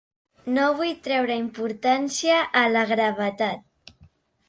No vull treure importància a la gravetat.